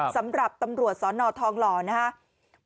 สำหรับตำรวจสนทองหล่อนะครับ